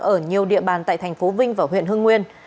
ở nhiều địa bàn tại tp vinh và huyện hương nguyên